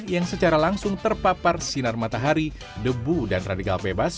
yang secara langsung terpapar sinar matahari debu dan radikal bebas